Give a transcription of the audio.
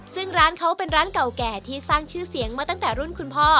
ซึ่งร้านเขาเป็นร้านเก่าแก่ที่สร้างชื่อเสียงมาตั้งแต่รุ่นคุณพ่อ